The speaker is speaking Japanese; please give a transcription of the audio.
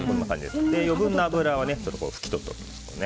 余分な脂は拭き取っておきます。